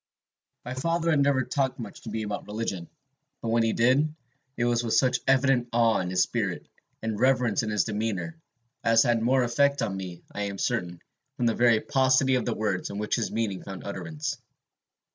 "My father had never talked much to me about religion; but when he did, it was with such evident awe in his spirit, and reverence in his demeanor, as had more effect on me, I am certain, from the very paucity of the words in which his meaning found utterance.